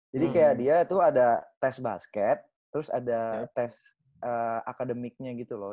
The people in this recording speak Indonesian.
jadi kayak dia tuh ada tes basket terus ada tes academicnya gitu loh